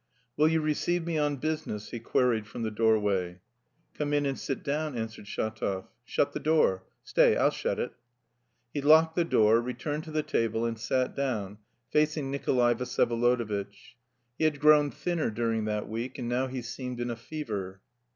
"Will you receive me on business?" he queried from the doorway. "Come in and sit down," answered Shatov. "Shut the door; stay, I'll shut it." He locked the door, returned to the table, and sat down, facing Nikolay Vsyevolodovitch. He had grown thinner during that week, and now he seemed in a fever.